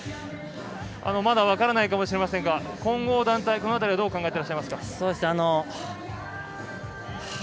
まだ分からないかもしれませんが混合団体、この辺りはどう考えていらっしゃいますか。